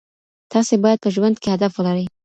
تاسي باید په ژوند کي هدف ولرئ.